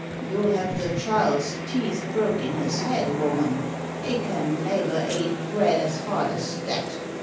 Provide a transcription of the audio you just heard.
'You'll have the chile's teeth broke in his head, woman. He can naver ate bread as hard as that!'